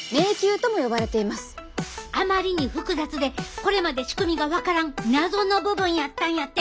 あまりに複雑でこれまで仕組みが分からん謎の部分やったんやて。